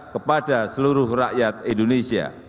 kepada seluruh rakyat indonesia